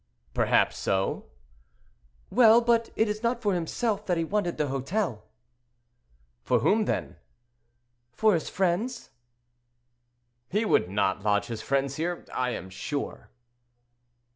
"Perhaps so." "Well, but it is not for himself that he wanted the hotel." "For whom then?" "For his friends." "He would not lodge his friends here, I am sure."